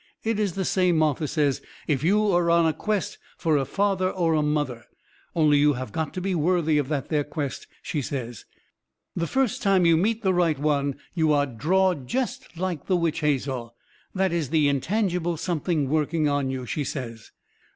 It is the same, Martha says, if you is on a quest fur a father or a mother, only you have got to be worthy of that there quest, she says. The first time you meet the right one you are drawed jest like the witch hazel. That is the Intangible Something working on you, she says.